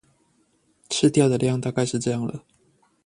吃掉的量大概是這樣了